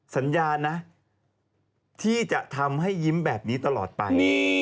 สัญญานะที่จะทำให้ยิ้มแบบนี้ตลอดไป